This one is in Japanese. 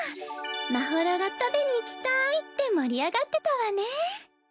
まほろが「食べに行きたい」って盛り上がってたわね。